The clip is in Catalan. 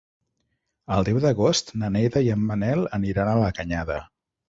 El deu d'agost na Neida i en Manel aniran a la Canyada.